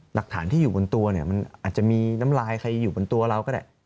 หลักฐานที่อยู่บนตัวเนี่ยมันอาจจะมีน้ำลายใครอยู่บนตัวเราก็ได้